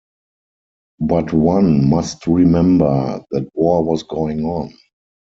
But one must remember that war was going on.